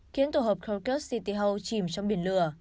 khiến tổ hợp kyrgyz city hall chìm trong biển lửa